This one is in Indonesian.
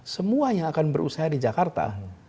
semuanya akan berusaha di jakarta